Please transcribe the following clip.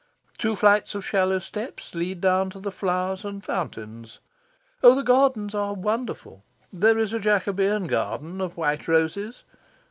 Two flights of shallow steps lead down to the flowers and fountains. Oh, the gardens are wonderful. There is a Jacobean garden of white roses.